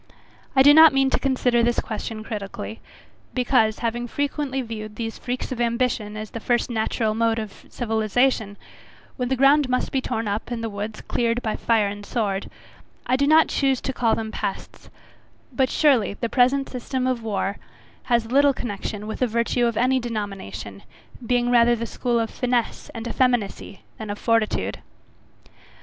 I do not mean to consider this question critically; because, having frequently viewed these freaks of ambition as the first natural mode of civilization, when the ground must be torn up, and the woods cleared by fire and sword, I do not choose to call them pests; but surely the present system of war, has little connection with virtue of any denomination, being rather the school of FINESSE and effeminacy, than of fortitude.